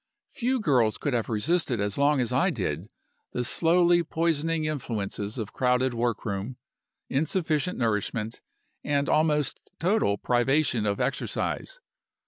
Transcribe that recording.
Few girls could have resisted as long as I did the slowly poisoning influences of crowded work room, insufficient nourishment, and almost total privation of exercise.